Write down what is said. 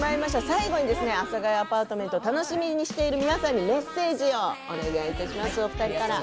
最後に「阿佐ヶ谷アパートメント」を楽しみにしている皆さんにメッセージをお願いします。